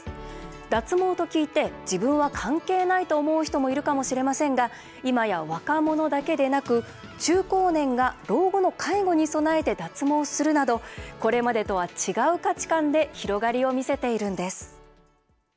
脱毛と聞いて、自分は関係ないと思う人もいるかもしれませんがいまや若者だけでなく、中高年が老後の介護に備えて脱毛するなどこれまでとは違う価値観で広がりを見せているんです。